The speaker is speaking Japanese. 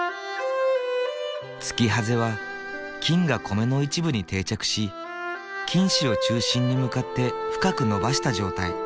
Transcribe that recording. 突破精は菌が米の一部に定着し菌糸を中心に向かって深く伸ばした状態。